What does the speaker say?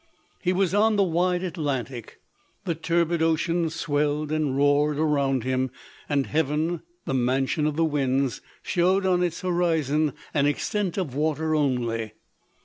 He was on the wide Atlantic ; the turbid ocean swelled and roared around him, and heaven, the mansion of the winds, showed on its horizon an extent of water only.